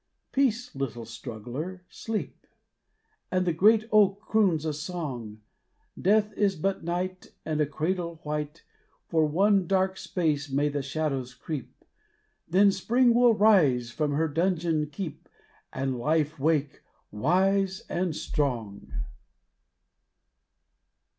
"Peace little struggler sleep" And the great oak croons a song, "Death is but night And a cradle white For one dark space may the shadows creep, Then Spring will rise from her dungeon keep And life wake, wise and strong."